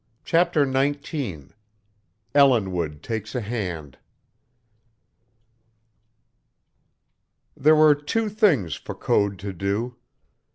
CHAPTER XIX ELLINWOOD TAKES A HAND There were two things for Code to do.